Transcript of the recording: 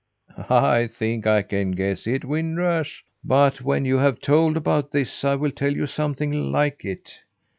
"I think I can guess it, Wind Rush, but when you have told about this, I will tell you something like it.